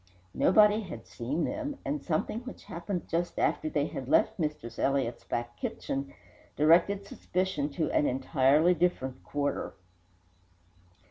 Nobody had seen them, and something which happened just after they had left Mistress Elliott's back kitchen directed suspicion to an entirely different quarter.